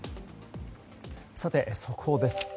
速報です。